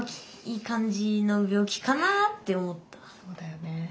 そうだよね。